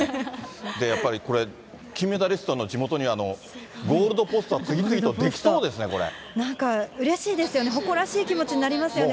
やっぱりこれ、金メダリストの地元にゴールドポスト、次々と出来そうですね、こなんか、うれしいですよね、誇らしい気持ちになりますよね。